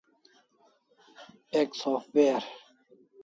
Ek software